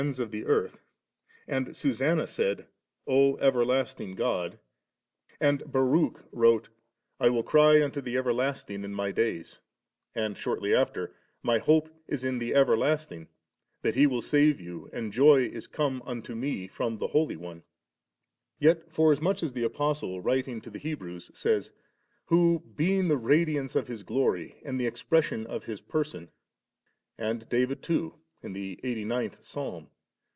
a^T'. iv. 36. TertuU. Apol. %y. Lact. tnsU ir. 6, 8. Hilar. Trin. ix. Baruch wrote, * I will cry unto the Everlasting in my days,' and shortly after, * My hope is in the Everlasting, that He will save you, and joy is come unto me from the Holy One *;' yet forasmuch as the Apostle, writing to the Hebrews, says, *Who being the radiance of His glory and the Expression of His Person 5 ;' and David too in the eighty ninth Psalm.